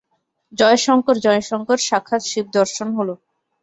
জয় শঙ্কর! জয় শঙ্কর! সাক্ষাৎ শিব-দর্শন হল।